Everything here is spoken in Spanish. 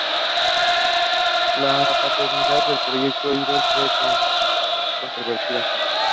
La paternidad del proyecto Ido es controvertida.